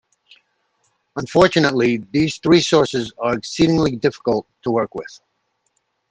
Unfortunately, these three sources are exceedingly difficult to work with.